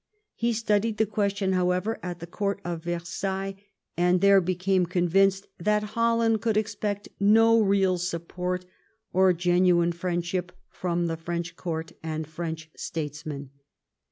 He studied the question, however, at the court of Versailles, and there became convinced that Holland could expect no real support or genuine friendship from the French court and French statesmen.